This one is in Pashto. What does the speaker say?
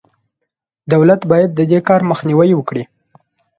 دولت باید د دې کار مخنیوی وکړي.